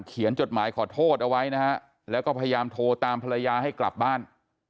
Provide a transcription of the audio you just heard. จดหมายขอโทษเอาไว้นะฮะแล้วก็พยายามโทรตามภรรยาให้กลับบ้าน